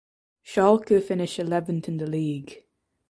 Schalke finished eleventh in the league.